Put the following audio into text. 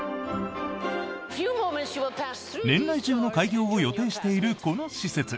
年内中の開業を予定しているこの施設。